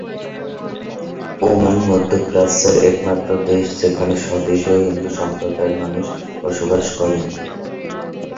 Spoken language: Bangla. ওমান মধ্যপ্রাচ্যের একমাত্র দেশ যেখানে স্বদেশীয় হিন্দু সম্প্রদায়ের মানুষ বসবাস করেন।